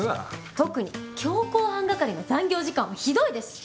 特に強行犯係の残業時間はひどいです。